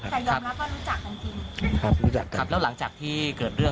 แต่ยอมรับว่ารู้จักกันจริงครับรู้จักครับแล้วหลังจากที่เกิดเรื่อง